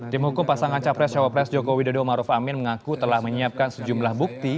tim hukum pasangan capres cawapres jokowi dodo maruf amin mengaku telah menyiapkan sejumlah bukti